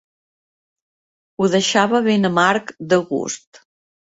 Ho deixava ben amarg de gust.